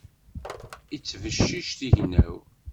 Ittbeccic tignaw.